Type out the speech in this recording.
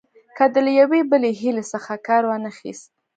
که دې له یوې بلې حیلې څخه کار وانه خیست.